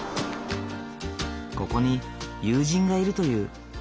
ここに友人がいるという。